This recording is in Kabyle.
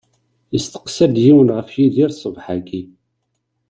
Yesteqsa-d yiwen ɣef Yidir ṣṣbeḥ-agi.